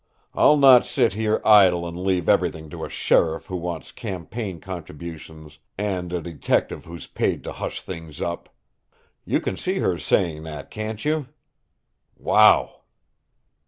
I'll not sit here idle and leave everything to a sheriff who wants campaign contributions and a detective who's paid to hush things up!' You can see her saying that, can't you? Wow!"